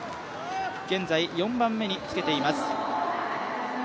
現在４番目につけています。